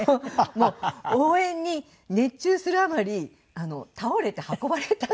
もう応援に熱中するあまり倒れて運ばれたという。